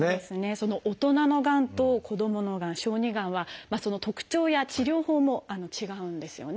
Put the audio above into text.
その大人のがんと子どものがん小児がんはその特徴や治療法も違うんですよね。